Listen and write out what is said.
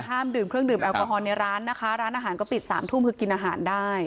ดื่มเครื่องดื่มแอลกอฮอลในร้านนะคะร้านอาหารก็ปิดสามทุ่มคือกินอาหารได้